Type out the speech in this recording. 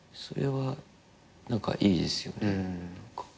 それは何かいいですよね。